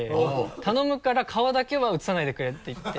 「頼むから顔だけは写さないでくれ」って言って。